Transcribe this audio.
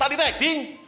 tadi tidak acting